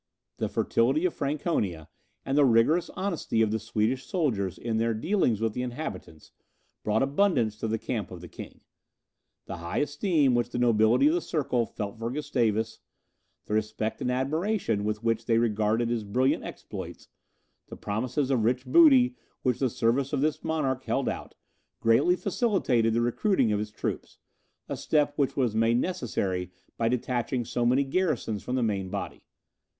The fertility of Franconia, and the rigorous honesty of the Swedish soldiers in their dealings with the inhabitants, brought abundance to the camp of the king. The high esteem which the nobility of the circle felt for Gustavus, the respect and admiration with which they regarded his brilliant exploits, the promises of rich booty which the service of this monarch held out, greatly facilitated the recruiting of his troops; a step which was made necessary by detaching so many garrisons from the main body.